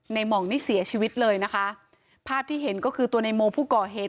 หม่องนี่เสียชีวิตเลยนะคะภาพที่เห็นก็คือตัวในโมผู้ก่อเหตุ